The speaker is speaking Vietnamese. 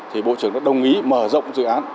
thì bộ trưởng đã đồng ý mở rộng dự án